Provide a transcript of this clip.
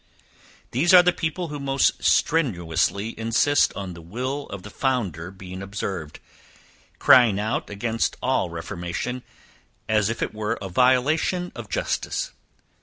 These are the people who most strenuously insist on the will of the founder being observed, crying out against all reformation, as if it were a violation of justice.